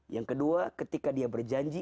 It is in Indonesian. yang kedua ketika dia berjanji